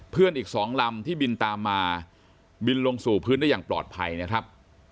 อีก๒ลำที่บินตามมาบินลงสู่พื้นได้อย่างปลอดภัยนะครับ